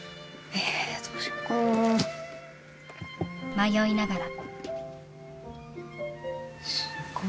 迷いながら。